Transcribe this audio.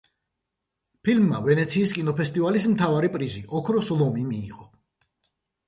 ფილმმა ვენეციის კინოფესტივალის მთავარი პრიზი ოქროს ლომი მიიღო.